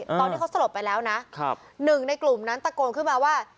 ตอนที่เขาสลบไปแล้วนะหนึ่งในกลุ่มนั้นตะโกนขึ้นมาว่า